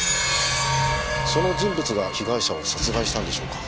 その人物が被害者を殺害したんでしょうか？